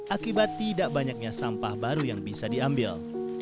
akibat tidak banyaknya sampah baru yang bisa diambil